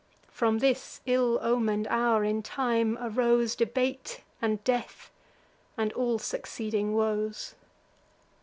From this ill omen'd hour in time arose Debate and death, and all succeeding woes.